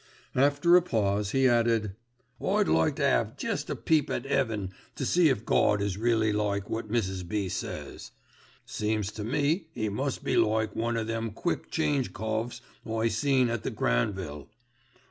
After a pause he added, "I'd like to 'ave jest a peep at 'eaven to see if Gawd is really like wot Mrs. B. says. Seems to me 'e must be like one o' them quick change coves I seen at the Granville.